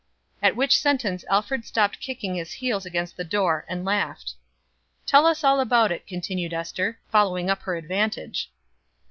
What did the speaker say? At which sentence Alfred stopped kicking his heels against the door, and laughed. "Tell us all about it," continued Ester, following up her advantage.